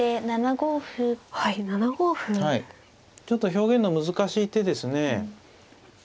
ちょっと表現の難しい手ですね。